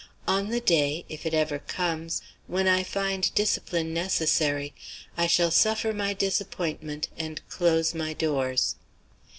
On the day if it ever comes when I find discipline necessary, I shall suffer my disappointment and close my doors."